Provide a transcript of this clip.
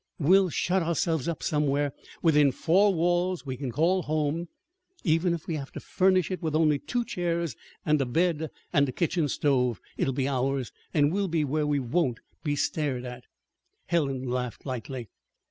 We'll shut ourselves up somewhere within four walls we can call home, even if we have to furnish it with only two chairs and a bed and a kitchen stove. It'll be ours and we'll be where we won't be stared at." Helen laughed lightly.